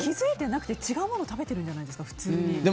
違うもの食べてるんじゃないですか、普通に。